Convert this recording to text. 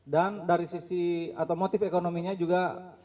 dan dari sisi atau motif ekonominya juga